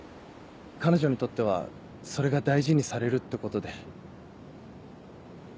彼女にとってはそれが大事にされるってことで。